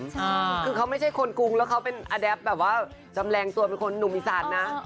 ใช่คือเขาไม่ใช่คนกรุงแล้วเขาเป็นอแดปแบบว่าจำแรงตัวเป็นคนหนุ่มอีสานนะ